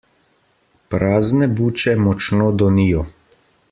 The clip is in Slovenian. Prazne buče močno donijo.